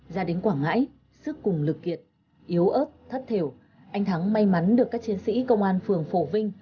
ra đến quảng ngãi sức cùng lực kiệt yếu ớt thất thể anh thắng may mắn được các chiến sĩ công an phường phổ vinh